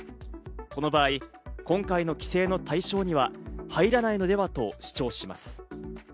この場合、今回の規制の対象には入らないのでは？と主張します。